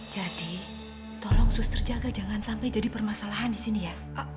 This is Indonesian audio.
jadi tolong suster jaga jangan sampai jadi permasalahan disini ya